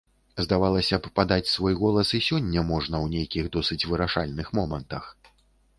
Здавалася б, падаць свой голас і сёння можна ў нейкіх досыць вырашальных момантах.